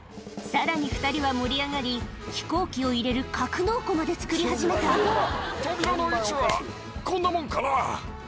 さらに２人は盛り上がり飛行機を入れる格納庫まで造り始めたおぉ。